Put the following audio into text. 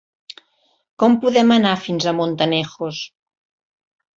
Com podem anar fins a Montanejos?